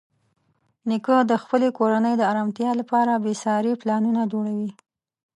نیکه د خپلې کورنۍ د ارامتیا لپاره بېساري پلانونه جوړوي.